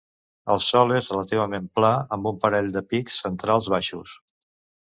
El sòl és relativament pla, amb un parell de pics centrals baixos.